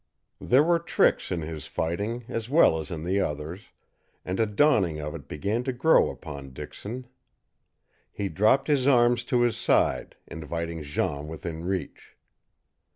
There were tricks in his fighting as well as in the other's, and a dawning of it began to grow upon Dixon. He dropped his arms to his side, inviting Jean within reach.